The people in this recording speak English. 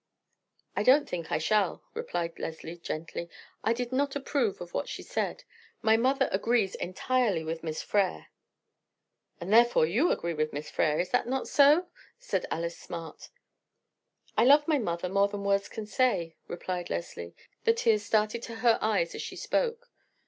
"I don't think I shall," replied Leslie gently. "I did not approve of what she said. My mother agrees entirely with Miss Frere." "And therefore you agree with Miss Frere; is not that so?" said Alice Smart. "I love my mother more than words can say," replied Leslie. The tears started to her eyes as she spoke.